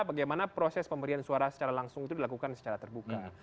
bagaimana proses pemberian suara secara langsung itu dilakukan secara terbuka